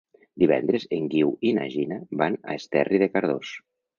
Divendres en Guiu i na Gina van a Esterri de Cardós.